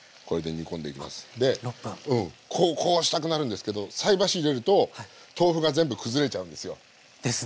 でこうしたくなるんですけど菜箸入れると豆腐が全部崩れちゃうんですよ。ですね。